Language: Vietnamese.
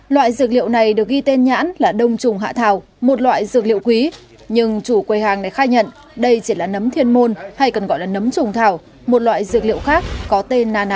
loại dược liệu này được ghi tên nhãn là đông trùng hạ thảo một loại dược liệu quý nhưng chủ quầy hàng này khai nhận đây chỉ là nấm thiên môn hay còn gọi là nấm trùng thảo một loại dược liệu khác có tên nano